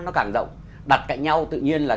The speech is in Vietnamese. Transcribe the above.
rất là rộng đặt cạnh nhau tự nhiên là